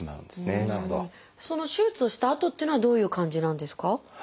その手術をしたあとっていうのはどういう感じなんですか？